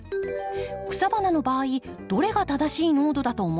草花の場合どれが正しい濃度だと思いますか？